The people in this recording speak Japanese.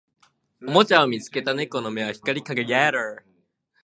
おもちゃを見つけた猫の目は光り輝いた